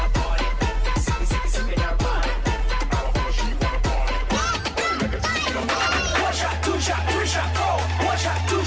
temen temen disini ramai banget